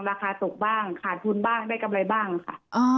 ราคาตกบ้างขาดทุนบ้างได้กำไรบ้างค่ะ